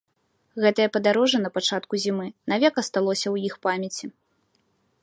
Гэтае падарожжа на пачатку зімы навек асталося ў іх памяці.